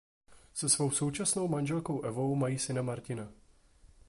Se svou současnou manželkou Evou mají syna Martina.